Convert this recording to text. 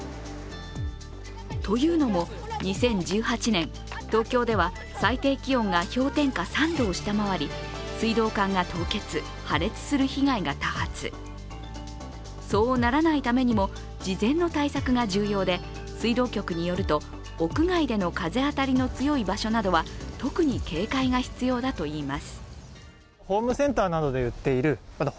というのも、２０１８年、東京では最低気温が氷点下３度を下回り、水道管が凍結、破裂する被害が多発そうならないためにも、事前の対策が重要で、水道局によると、屋外での風当たりの強い場所などでは特に警戒が必要だといいます。